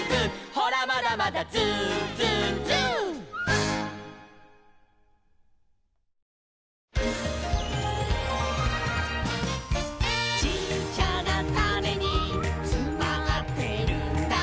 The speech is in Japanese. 「ほらまだまだＺｏｏＺｏｏＺｏｏ」「ちっちゃなタネにつまってるんだ」